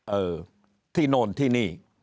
เออที่โน่นที่นี่